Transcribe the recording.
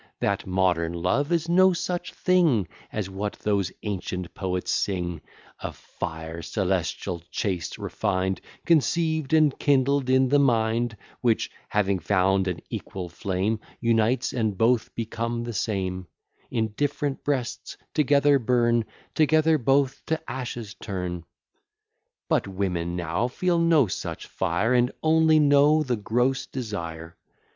That modern love is no such thing As what those ancient poets sing: A fire celestial, chaste, refined, Conceived and kindled in the mind; Which, having found an equal flame, Unites, and both become the same, In different breasts together burn, Together both to ashes turn. But women now feel no such fire, And only know the gross desire.